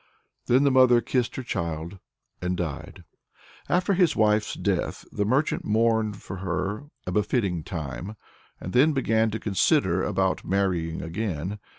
Then the mother kissed her child and died. After his wife's death, the merchant mourned for her a befitting time, and then began to consider about marrying again.